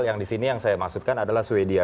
yang disini yang saya maksudkan adalah swedia